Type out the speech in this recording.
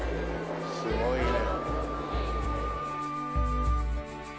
すごいね。